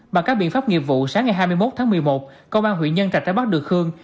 bằng các biện pháp nghiệp vụ sáng ngày hai mươi một tháng một mươi một công an huyện nhân trạch đã bắt được khương